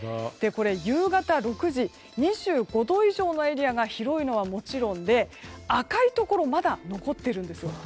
夕方６時２５度以上のエリアが広いのはもちろんで赤いところもまだ残っているんです。